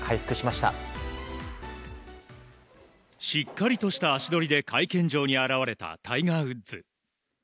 しっかりとした足取りで会見場に現れたタイガー・ウッズ。